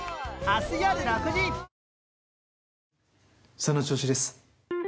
その調子です。